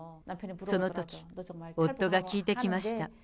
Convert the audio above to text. そのとき、夫が聞いてきました。